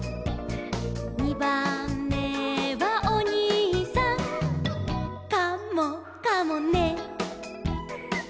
「にばんめはおにいさん」「カモかもね」